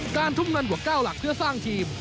ทุ่มเงินหัวก้าวหลักเพื่อสร้างทีม